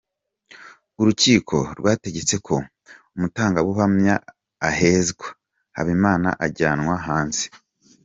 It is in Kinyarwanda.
Urukiko rwategetse ko umutangabuhamya ahezwa, Habimana ajyanwa hanze.